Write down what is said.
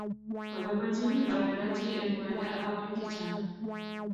mabaibaichini awendoti we ng Banda ago biik chechang